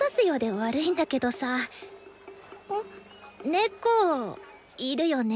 猫いるよね？